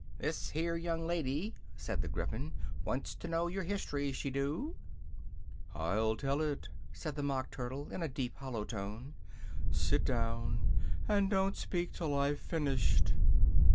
"This here young lady" said the Gryphon, "wants for to know your history, she do." "I'll tell it," said the Mock Turtle, in a deep hollow tone, "sit down, and don't speak till I've finished."